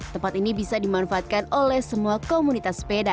tempat ini bisa dimanfaatkan oleh semua komunitas sepeda